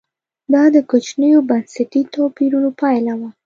دا د کوچنیو بنسټي توپیرونو پایله وه.